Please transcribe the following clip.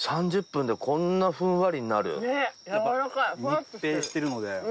密閉してるので。